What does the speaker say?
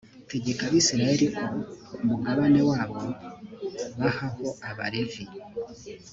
tegeka abayisraheli ko ku mugabane wabo, bahaho abalevi